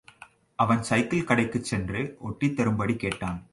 அவன் சைக்கிள் கடைக்குச் சென்று ஒட்டித்தரும்படி கேட்டான்.